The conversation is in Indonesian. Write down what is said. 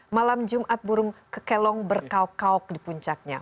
malam jumat burung kekelong berkaok kauk di puncaknya